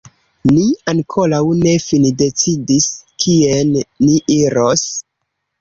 Ni ankoraŭ ne findecidis kien ni iros.